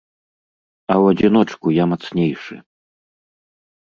А ў адзіночку я мацнейшы.